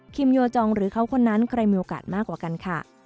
โยจองหรือเขาคนนั้นใครมีโอกาสมากกว่ากันค่ะ